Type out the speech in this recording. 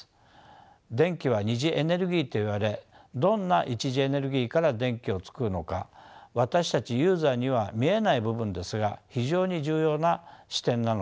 電気は二次エネルギーといわれどんな一次エネルギーから電気を作るのか私たちユーザーには見えない部分ですが非常に重要な視点なのです。